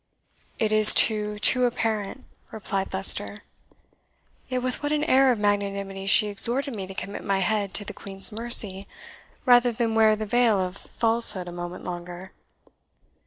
"It is too, too apparent," replied Leicester "yet with what an air of magnanimity she exhorted me to commit my head to the Queen's mercy, rather than wear the veil of falsehood a moment longer!